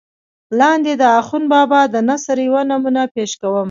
لاندې دَاخون بابا دَنثر يوه نمونه پېش کوم